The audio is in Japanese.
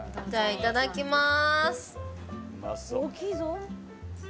いただきます。